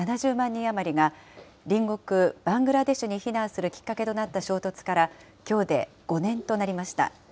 人余りが、隣国バングラデシュに避難するきっかけとなった衝突からきょうで５年となりました。